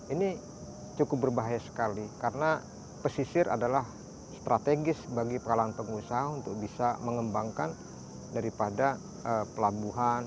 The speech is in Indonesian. ini cukup berbahaya sekali karena pesisir adalah strategis bagi kalangan pengusaha untuk bisa mengembangkan daripada pelabuhan